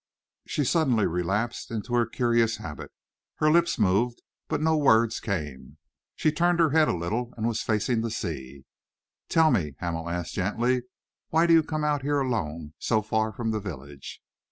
She suddenly relapsed into her curious habit. Her lips moved, but no words came. She had turned her head a little and was facing the sea. "Tell me," Hamel asked gently, "why do you come out here alone, so far from the village?"